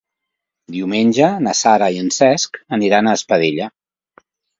Diumenge na Sara i en Cesc aniran a Espadella.